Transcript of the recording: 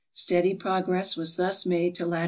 Steady progress was thus made to lat.